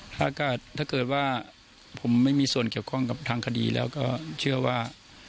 ถ้าเกิดว่าผมไม่มีส่วนเกี่ยวข้องกับทางคดีแล้วก็เชื่อว่า